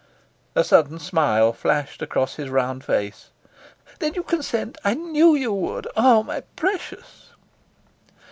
A sudden smile flashed across his round face. "Then you consent? I knew you would. Oh, my precious."